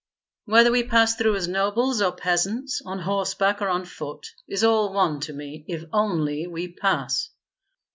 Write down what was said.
"Whether we pass through as nobles or peasants, on horseback or on foot, is all one to me, if only we pass."